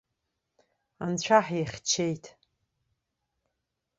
Анцәа ҳихьчеит.